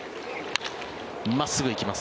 真っすぐ行きます。